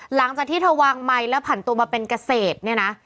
หลังจากที่เธอวางไมค์แล้วผ่านตัวมาเป็นเกษตรเนี่ยนะ